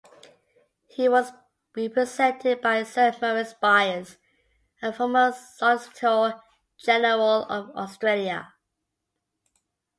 He was represented by Sir Maurice Byers, a former Solicitor-General of Australia.